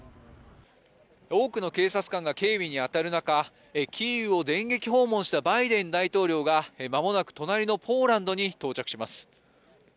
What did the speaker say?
多くの警察官が警備に当たる中キーウを電撃訪問したバイデン大統領がまもなく隣のポーランドに到着します。